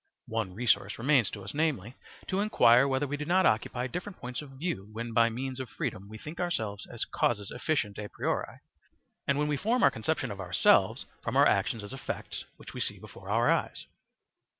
One resource remains to us, namely, to inquire whether we do not occupy different points of view when by means of freedom we think ourselves as causes efficient a priori, and when we form our conception of ourselves from our actions as effects which we see before our eyes.